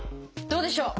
どうでしょう？